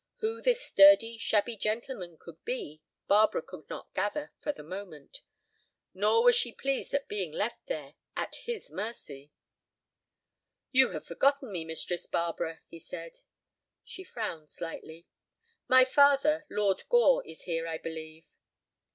Who this sturdy, shabby gentleman could be Barbara could not gather for the moment. Nor was she pleased at being left there—at his mercy. "You have forgotten me, Mistress Barbara," he said. She frowned slightly. "My father, Lord Gore, is here, I believe."